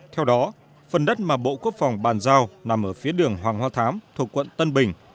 theo đó phần đất mà bộ quốc phòng bàn giao nằm ở phía đường hoàng hoa thám thuộc quận tân bình